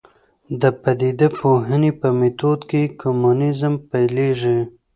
د پدیده پوهنې په میتود کې کمونیزم پیلېږي.